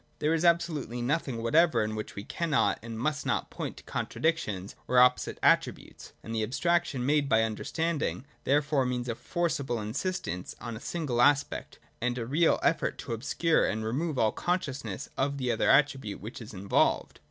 There is absolutely nothing whatever in which we cannot and must not point to contradictions or opposite attributes ; and the abstraction made by understanding therefore means a forcible insistance on a single aspect, and a real effort to obscure and remove all consciousness of the other attribute which is involved.